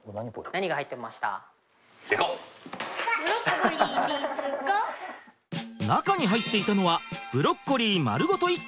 中に入っていたのはブロッコリー丸ごと１個と野菜図鑑！